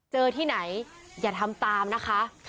ที่ไหนอย่าทำตามนะคะ